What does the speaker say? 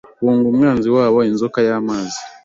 Hunga umwanzi wabo inzoka y'amazi